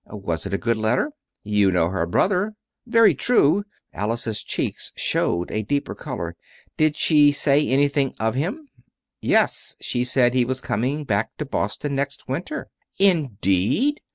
Was it a good letter?" "You know her brother." "Very true." Alice's cheeks showed a deeper color. "Did she say anything of him?" "Yes. She said he was coming back to Boston next winter." "Indeed!"